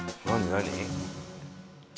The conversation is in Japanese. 何？